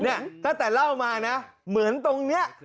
ตั้งแต่เล่ามานะเหมือนตรงนี้